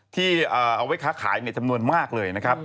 ที่เอาไว้ค้าขายในจำนวนมากเลย